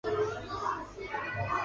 郑邦瑞是王守仁外甥。